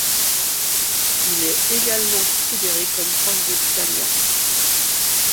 Il est également considéré comme proche de l'italien '.